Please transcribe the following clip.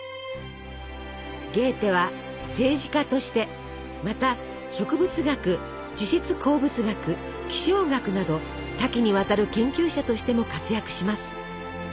ゲーテは政治家としてまた植物学地質鉱物学気象学など多岐にわたる研究者としても活躍します。